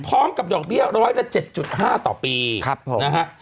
พร้อมกับหย่อเบี้ยร้อยละเจ็ดจุดห้าต่อปีครับผมนะฮะ